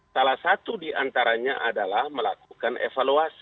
salah satu diantaranya adalah melakukan evaluasi